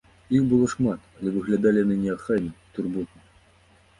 Іх было шмат, але выглядалі яны неахайна і турботна.